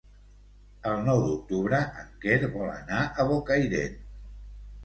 El nou d'octubre en Quer vol anar a Bocairent.